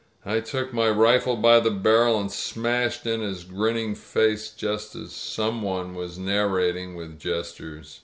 "I took my rifle by the barrel and smashed in his grinning face, just as " some one was narrating, with gestures.